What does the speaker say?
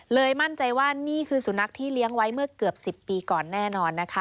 มั่นใจว่านี่คือสุนัขที่เลี้ยงไว้เมื่อเกือบ๑๐ปีก่อนแน่นอนนะคะ